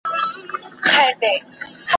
ګل غونډۍ ته، ارغوان ته، چاریکار ته غزل لیکم ,